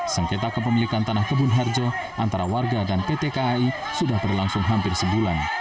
sengketa kepemilikan tanah kebun harjo antara warga dan pt kai sudah berlangsung hampir sebulan